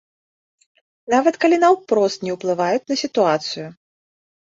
Нават калі наўпрост не ўплываюць на сітуацыю.